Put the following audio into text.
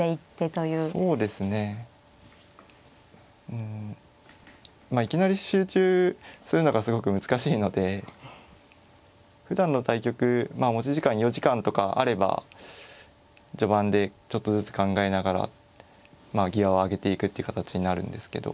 うんまあいきなり集中するのがすごく難しいのでふだんの対局まあ持ち時間４時間とかあれば序盤でちょっとずつ考えながらまあギアを上げていくっていう形になるんですけど。